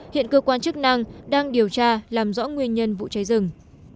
hiện cơ quan chức năng đang điều tra làm rõ nguyên nhân vụ cháy rừng